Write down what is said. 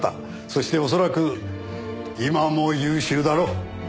そして恐らく今も優秀だろう。